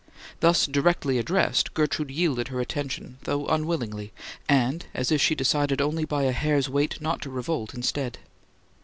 Thus directly addressed, Gertrude yielded her attention, though unwillingly, and as if she decided only by a hair's weight not to revolt, instead.